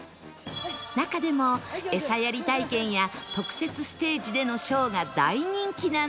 中でもエサやり体験や特設ステージでのショーが大人気なんです